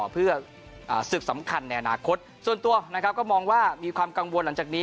เพื่อศึกสำคัญในอนาคตส่วนตัวนะครับก็มองว่ามีความกังวลหลังจากนี้